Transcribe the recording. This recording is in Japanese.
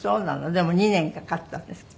でも２年かかったんですか？